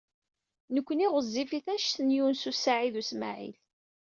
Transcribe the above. Nekkni ɣezzifit anect n Yunes u Saɛid u Smaɛil.